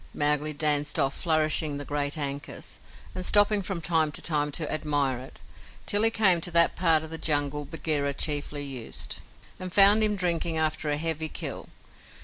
Mowgli danced off, flourishing the great ankus, and stopping from time to time to admire it, till he came to that part of the Jungle Bagheera chiefly used, and found him drinking after a heavy kill.